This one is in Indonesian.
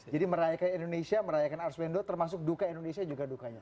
jadi merayakan indonesia merayakan ars wendo termasuk duka indonesia juga dukanya